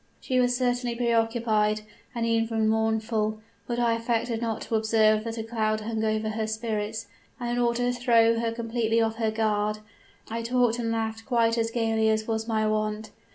She was certainly pre occupied, and even mournful, but I affected not to observe that a cloud hung over her spirits, and in order to throw her completely off her guard, I talked and laughed quite as gayly as was my wont.